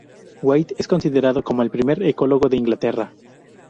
White es considerado como el primer ecólogo de Inglaterra.